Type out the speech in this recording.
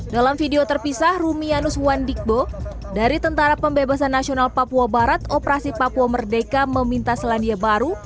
dalam video terpisah rumianus wandikbo dari tentara pembebasan nasional papua barat operasi papua merdeka meminta selandia baru